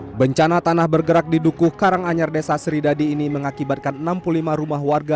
bencana tanah bergerak di dukuh karanganyar desa seridadi ini mengakibatkan enam puluh lima rumah warga